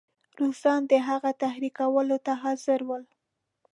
روسان د هغه تحریکولو ته حاضر ول.